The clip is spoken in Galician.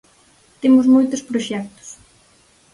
Temos moitos proxectos.